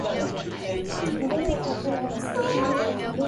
Like his father he lives in Australia.